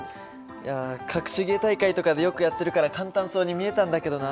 いや隠し芸大会とかでよくやってるから簡単そうに見えたんだけどな。